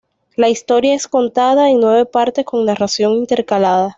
La historia es contada en nueve partes con narración intercalada.